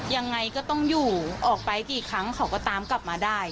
ยังไงก็ต้องอยู่ออกไปกี่ครั้งเขาก็ตามกลับมาได้